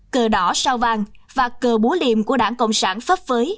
cờ đỏ sao vàng và cờ búa liềm của đảng cộng sản phấp phới